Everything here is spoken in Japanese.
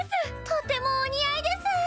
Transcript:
とてもお似合いです！